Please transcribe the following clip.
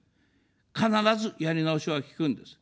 必ずやり直しはきくんです。